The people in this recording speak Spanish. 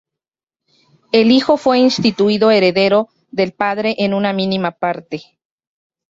El hijo fue instituido heredero del padre en una mínima parte.